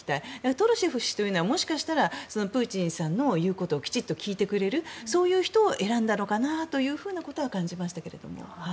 トロシェフ氏というのはもしかしたらプーチンさんの言うことをきちんと聞いてくれるそういう人を選んだのかなということは感じましたけれども。